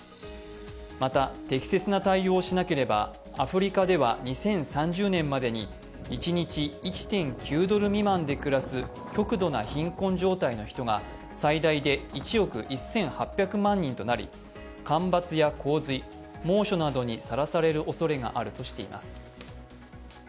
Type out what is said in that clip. また適切な対応をしなければアフリカでは２０３０年までに一日１．９ドル未満で暮らす、極度な貧困状態の人が最大で１億１８００万人となり、干ばつや洪水猛暑などにさらされるおそれがあるとしています。